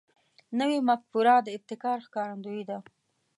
نوې مفکوره د ابتکار ښکارندوی ده